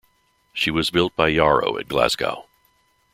She was built by Yarrow at Glasgow.